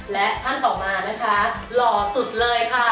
และท่านต่อมานะคะหล่อสุดเลยค่ะ